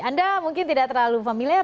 anda mungkin tidak terlalu familiar